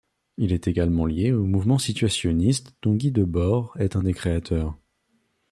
Il est également lié au mouvement situationniste dont Guy Debord est un des créateurs.